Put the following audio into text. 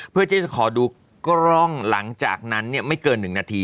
เพื่อจะขอดูกล้องหลังจากนั้นเนี้ยไม่เกินหนึ่งนาธี